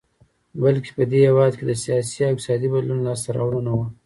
بلکې په دې هېواد کې د سیاسي او اقتصادي بدلون لاسته راوړنه وه.